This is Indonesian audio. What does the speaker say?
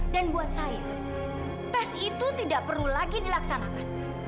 dan buat saya tes itu tidak perlu lagi dilaksanakan